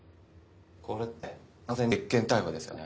これって完全に別件逮捕ですよね？